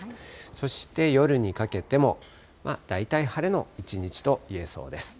そして夜にかけても、大体晴れの一日といえそうです。